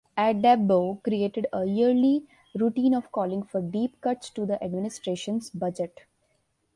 Addabbo created a yearly routine of calling for deep cuts to the administration's budget.